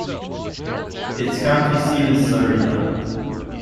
Its county seat is Sarita.